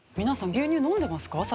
皆さん牛乳飲んでますか？